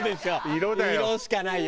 色しかないよ